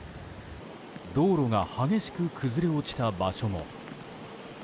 道路が激しく崩れ落ちた場所も。